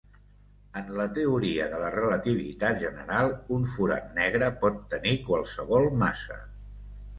En la teoria de la relativitat general un forat negre pot tenir qualsevol massa.